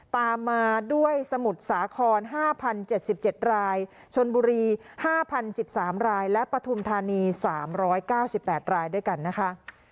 ตามมาด้วยสมุทรสาคร๕๐๗๗รายชนบุรี๕๐๑๓รายและปฐุมธานี๓๙๘รายด้วยกันนะคะ